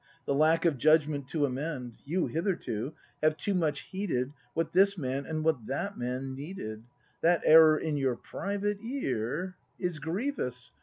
The lack of judgment to amend. You hitherto have too much heeded What this man and what that man needed. That error (in your private ear) Is grievous.